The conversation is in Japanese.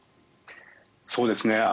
そうですね。